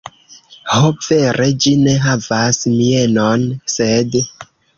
Ho, vere ĝi ne havas mienon, sed...